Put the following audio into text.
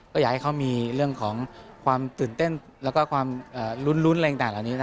ก็อยากให้เขามีเรื่องของความตื่นเต้น